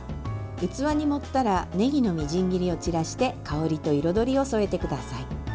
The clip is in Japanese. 器に盛ったらねぎのみじん切りを散らして香りと彩りを添えてください。